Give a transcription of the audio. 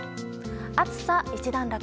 暑さ一段落。